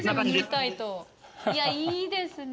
いやいいですね。